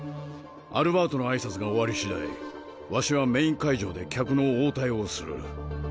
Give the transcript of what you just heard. アルバートの挨拶が終わりしだいわしはメイン会場で客の応対をする。